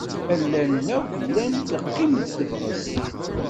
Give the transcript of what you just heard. Allalen akk llan teqqim-d tebɣest.